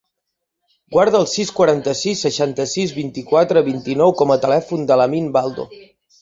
Guarda el sis, quaranta-sis, seixanta-set, vint-i-quatre, vint-i-nou com a telèfon de l'Amin Baldo.